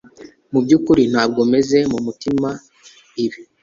Mubyukuri ntabwo meze mumutima ibi